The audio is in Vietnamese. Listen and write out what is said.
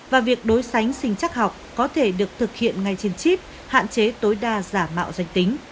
và việc đối sánh sinh chắc học có thể được thực hiện ngay trên chip hạn chế tối đa giả mạo danh tính